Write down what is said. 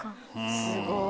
すごい。